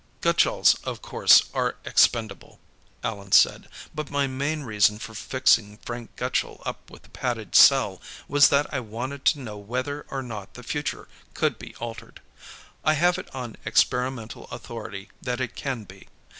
Gutchalls, of course, are expendable," Allan said. "But my main reason for fixing Frank Gutchall up with a padded cell was that I wanted to know whether or not the future could be altered. I have it on experimental authority that it can be.